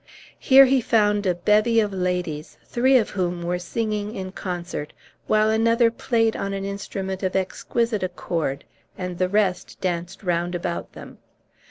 Here he found a bevy of ladies, three of whom were singing in concert, while another played on an instrument of exquisite accord, and the rest danced round about them.